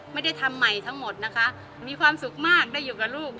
ไม่ได้ทำใหม่ทั้งหมดนะคะมีความสุขมากได้อยู่กับลูก